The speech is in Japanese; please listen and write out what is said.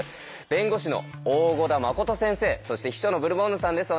弁護士の大胡田誠先生そして秘書のブルボンヌさんです。